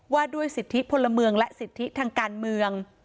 ว่าด้วยสิทธิพลเมืองและสิทธิทางการเมือง